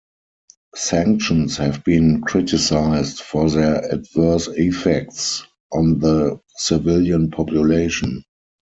Sanctions have been criticised for their adverse effects on the civilian population.